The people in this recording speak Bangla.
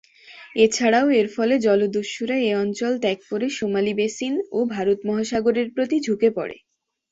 এছাড়াও এর ফলে জলদস্যুরা এ অঞ্চল ত্যাগ করে সোমালি বেসিন ও ভারত মহাসাগরের প্রতি ঝুঁকে পরে।